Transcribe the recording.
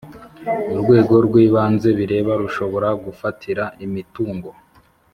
Urwego rw ibanze bireba rushobora gufatira imitungo